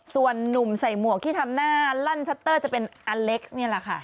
ส่วนนุ่มใส่หมวกที่ทำหน้าลั่นชัตเตอร์จะเป็นอเล็กซ์นี่แหละค่ะ